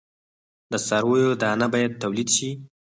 د څارویو دانه باید تولید شي.